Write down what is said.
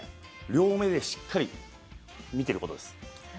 両目でしっかり見てることです。